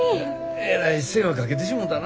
えらい世話かけてしもたな。